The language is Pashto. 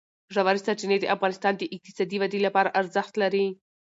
ژورې سرچینې د افغانستان د اقتصادي ودې لپاره ارزښت لري.